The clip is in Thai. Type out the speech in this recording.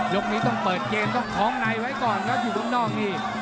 นี้ต้องเปิดเกมต้องคล้องในไว้ก่อนครับอยู่ข้างนอกนี่